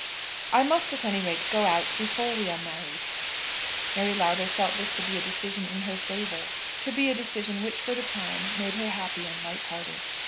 "I must at any rate go out before we are married." Mary Lowther felt this to be a decision in her favour, to be a decision which for the time made her happy and light hearted.